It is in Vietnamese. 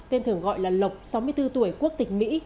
tên thường gọi là lộc sáu mươi bốn tuổi quốc tịch mỹ